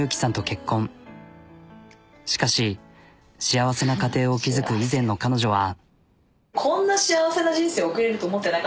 しかし幸せな家庭を築く以前の彼女は。